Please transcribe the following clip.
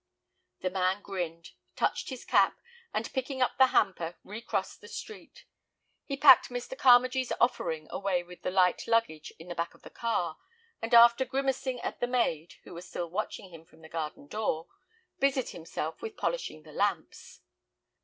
The man grinned, touched his cap, and, picking up the hamper, recrossed the street. He packed Mr. Carmagee's offering away with the light luggage at the back of the car, and after grimacing at the maid, who was still watching him from the garden door, busied himself with polishing the lamps.